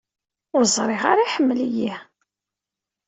Ur ẓriɣ ara iḥemmel-iyi.